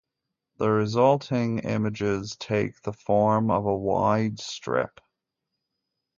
The resulting images take the form of a wide strip.